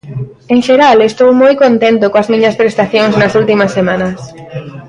En xeral, estou moi contento coas miñas prestacións nas últimas semanas.